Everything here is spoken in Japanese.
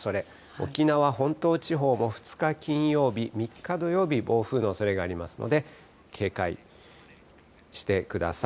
沖縄本島地方も、２日金曜日、３日土曜日、暴風のおそれがありますので、警戒してください。